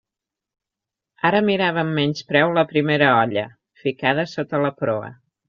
Ara mirava amb menyspreu la primera olla, ficada sota la proa.